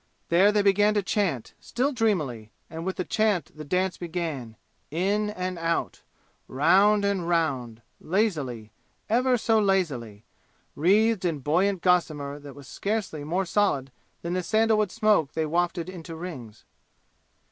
There they began to chant, still dreamily, and with the chant the dance began, in and out, round and round, lazily, ever so lazily, wreathed in buoyant gossamer that was scarcely more solid than the sandalwood smoke they wafted into rings.